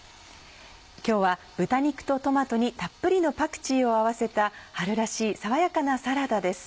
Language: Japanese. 今日は豚肉とトマトにたっぷりのパクチーを合わせた春らしい爽やかなサラダです。